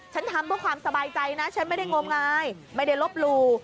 ทำเพื่อความสบายใจนะฉันไม่ได้งมงายไม่ได้ลบหลู่